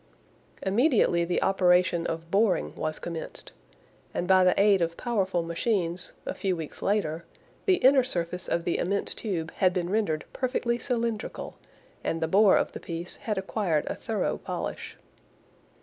Immediately the operation of boring was commenced; and by the aid of powerful machines, a few weeks later, the inner surface of the immense tube had been rendered perfectly cylindrical, and the bore of the piece had acquired a thorough polish.